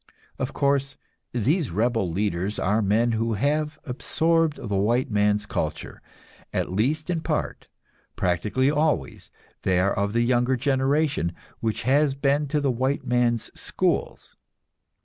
Of course, these rebel leaders are men who have absorbed the white man's culture, at least in part; practically always they are of the younger generation, which has been to the white man's schools.